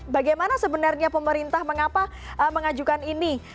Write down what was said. bagaimana sebenarnya pemerintah mengapa mengajukan ini